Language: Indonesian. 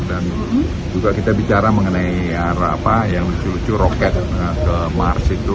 dan juga kita bicara mengenai arah apa yang lucu lucu roket ke mars itu